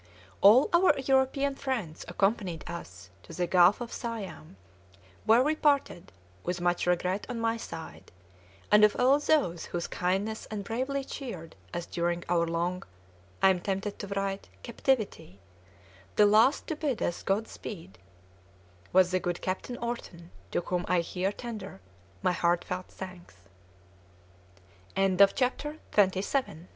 All our European friends accompanied us to the Gulf of Siam, where we parted, with much regret on my side; and of all those whose kindness had bravely cheered us during our long (I am tempted to write) captivity, the last to bid us God speed was the good Captain Orton, to whom I here tender my heartfelt thanks. XXVIII. THE KINGDOM OF SIAM.